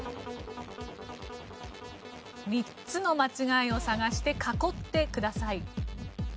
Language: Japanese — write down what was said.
３つの間違いを探して囲ってください。